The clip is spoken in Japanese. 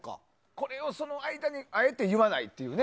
これを、その間にあえて言わないっていうね。